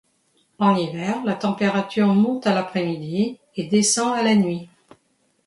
En hiver, la température monte à l'après-midi et descend à la nuit.